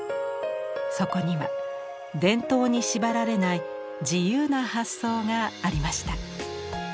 そこには伝統に縛られない自由な発想がありました。